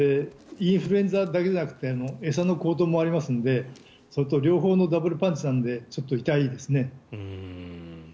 インフルエンザだけじゃなくて餌の高騰もありますので両方のダブルパンチなのでちょっと痛いですね。